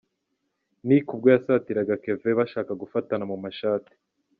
Nick ubwo yasatiraga Kevin bashaka gufatana mu mashati.